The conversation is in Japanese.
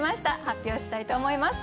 発表したいと思います。